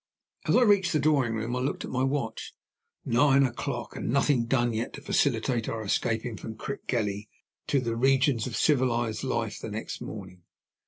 As I reached the drawing room door, I looked at my watch. Nine o'clock! and nothing done yet to facilitate our escaping from Crickgelly to the regions of civilized life the next morning.